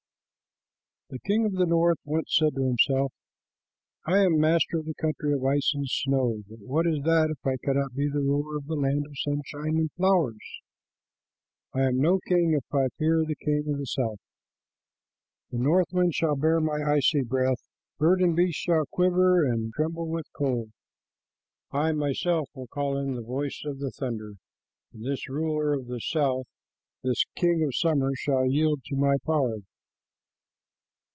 The king of the north once said to himself, "I am master of the country of ice and snow, but what is that if I cannot be ruler of the land of sunshine and flowers? I am no king if I fear the king of the south. The northwind shall bear my icy breath. Bird and beast shall quiver and tremble with cold. I myself will call in the voice of the thunder, and this ruler of the south, his king of summer, shall yield to my power."